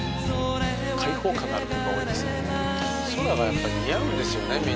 そうなんですよね。